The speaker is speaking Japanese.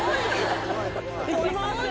いきます。